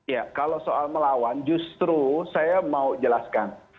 ya kalau soal melawan justru saya mau jelaskan